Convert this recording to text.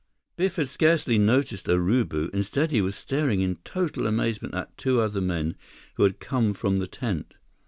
Biff had scarcely noticed Urubu. Instead, he was staring in total amazement at two other men who had come from the tent.